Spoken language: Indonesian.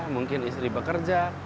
mungkin istri bekerja